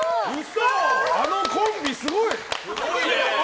あのコンビ、すごい！